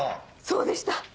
そうでした！